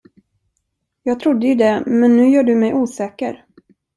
Jag trodde ju det, men nu gör du mig osäker.